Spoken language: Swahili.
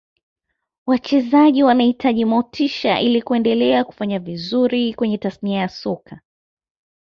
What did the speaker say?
wachezaji wanahitaji motisha ili kuendelea kufanya vizuri kwenye tasnia ya soka